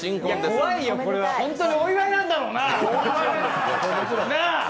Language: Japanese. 怖いよ、これは、本当にお祝いなんだろうな？！